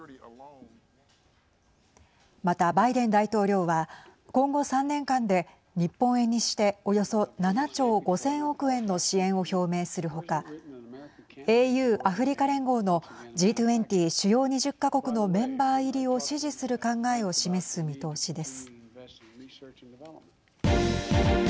また、バイデン大統領は今後３年間で日本円にしておよそ７兆５０００億円の支援を表明する他ＡＵ＝アフリカ連合のＧ２０＝主要２０か国のメンバー入りを支持する考えを示す見通しです。